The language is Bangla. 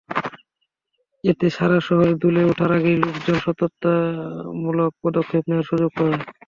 এতে সারা শহর দুলে ওঠার আগেই লোকজন সতর্কতামূলক পদক্ষেপ নেওয়ার সুযোগ পাবে।